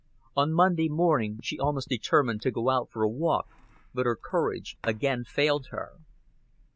On Monday morning she almost determined to go out for a walk but her courage again failed her.